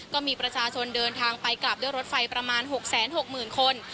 ก็มีประชาชนเดินทางไปกลับด้วยรถไฟประมาณ๖๖๐๐๐คน